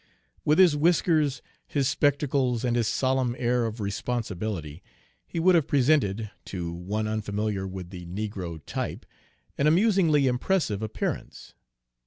With his whiskers, his spectacles, and his solemn air of responsibility, he would have presented, to one unfamiliar with the negro type, an amusingly impressive appearance.